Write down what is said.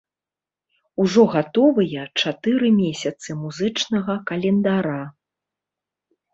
Ужо гатовыя чатыры месяцы музычнага календара.